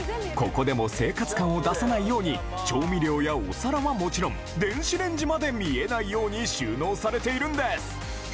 ここでも生活感を出さないように、調味料やお皿はもちろん、電子レンジまで見えないように収納されているんです。